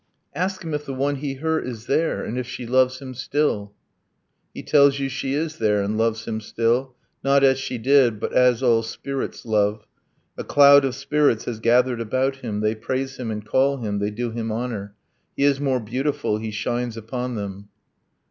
'Ask him if the one he hurt is there, And if she loves him still!' 'He tells you she is there, and loves him still, Not as she did, but as all spirits love ... A cloud of spirits has gathered about him. They praise him and call him, they do him honor; He is more beautiful, he shines upon them.'